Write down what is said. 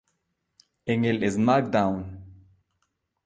En el SmackDown!